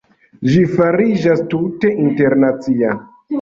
Ĝi fariĝas tute internacia.